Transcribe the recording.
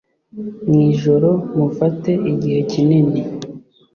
mu ijoro, mufate igihe kinini